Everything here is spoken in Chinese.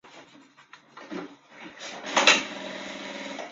成化二十一年封长宁伯。